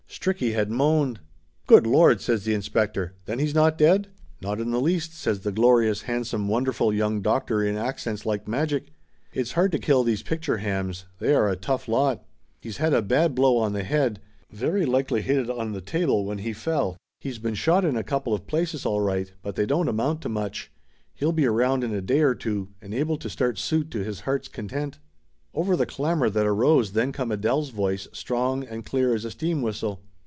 Stricky had moaned. "Good Lord!" says the inspector. "Then he's not dead?" "Not in the least," says the glorious, handsome won derful young doctor in accents like magic. "It's hard to kill these picture hams they are a tough lot. He's had a bad blow on the head. Very likely hit it on the 312 Laughter Limited table when he fell. He's been shot in a couple of places all right, but they don't amount to much. He'll be around in a day or two, and able to start suit to his heart's content!" Over the clamor that arose then come Adele's voice, strong and clear as a steam whistle.